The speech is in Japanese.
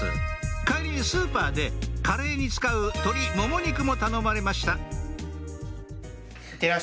帰りにスーパーでカレーに使う鶏もも肉も頼まれました